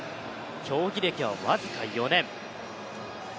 競技歴は僅か４年。